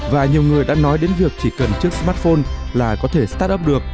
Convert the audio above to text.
và nhiều người đã nói đến việc chỉ cần chiếc smartphone là có thể start up được